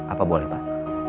apa boleh pak